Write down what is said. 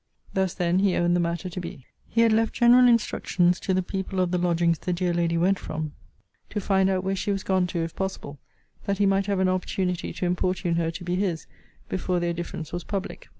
Thus, then, he owned the matter to be. He had left general instructions to the people of the lodgings the dear lady went from, to find out where she was gone to, if possible, that he might have an opportunity to importune her to be his, before their difference was public.